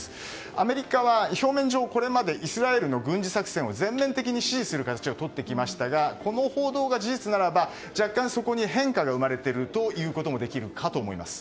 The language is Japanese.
アメリカは、表面上これまでイスラエルの軍事作戦を全面的に支持する形をとってきましたがこの報道が事実ならば若干そこに変化が生まれているともいえると思います。